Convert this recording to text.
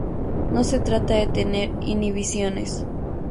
No se trata de tener inhibiciones.